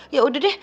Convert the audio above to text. ya udah deh